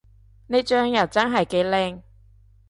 呢張又真係幾靚